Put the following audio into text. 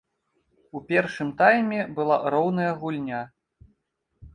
У першым тайме была роўная гульня.